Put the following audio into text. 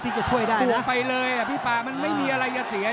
มั่นใจว่าจะได้แชมป์ไปพลาดโดนในยกที่สามครับเจอหุ้กขวาตามสัญชาตยานหล่นเลยครับ